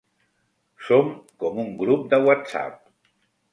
Som com un grup de whatsapp.